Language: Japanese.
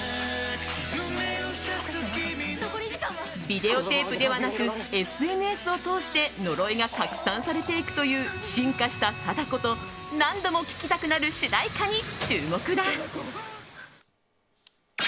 ビデオテープではなくＳＮＳを通して呪いが拡散されていくという進化した貞子と何度も聴きたくなる主題歌に注目だ。